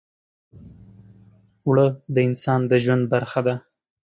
اوړه د انسان د ژوند برخه ده